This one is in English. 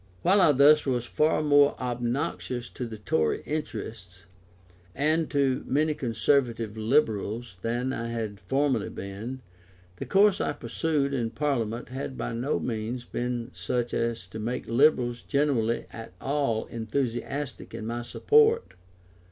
While I thus was far more obnoxious to the Tory interest, and to many Conservative Liberals than I had formerly been, the course I pursued in Parliament had by no means been such as to make Liberals generally at all enthusiastic in my support.